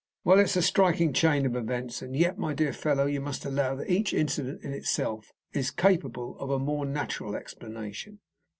"Well, it's a striking chain of events. And yet, my dear fellow, you must allow that each incident in itself is capable of a more natural explanation."